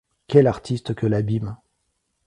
Quel artiste que l’abîme!